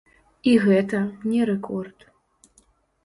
І гэта не рэкорд.